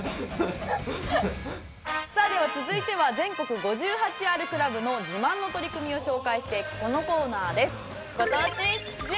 さあでは続いては全国５８あるクラブの自慢の取り組みを紹介していくこのコーナーです。